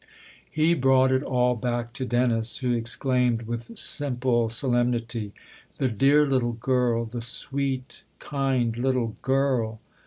He brought it all back to Dennis, who exclaimed with simple solemnity :" The dear little girl the sweet, kind little girl